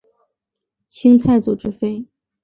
清太祖之妃。